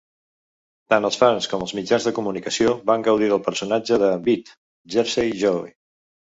Tant els fans com els mitjans de comunicació van gaudir del personatge de Vitt "Jersey Joe".